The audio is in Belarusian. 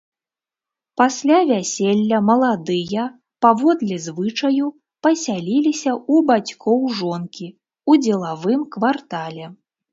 Пасля вяселля маладыя, паводле звычаю, пасяліліся ў бацькоў жонкі, у дзелавым квартале.